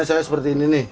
misalnya seperti ini nih